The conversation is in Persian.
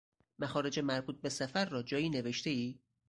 مخارج مربوط به سفر را جایی نوشتهای؟